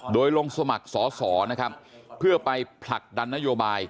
โดยลงสมัครสอสอนะครับเพื่อไปผลักดันนโยบาย